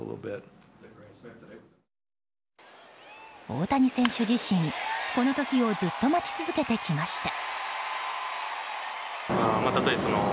大谷選手自身、この時をずっと待ち続けてきました。